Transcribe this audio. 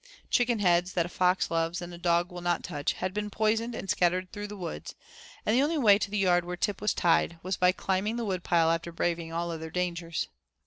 Chicken heads, that a fox loves and a dog will not touch, had been poisoned and scattered through the woods; and the only way to the yard where Tip was tied, was by climbing the wood pile after braving all other dangers.